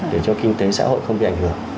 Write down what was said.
để cho kinh tế xã hội không bị ảnh hưởng